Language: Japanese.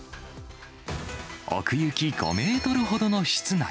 奥行き５メートルほどの室内。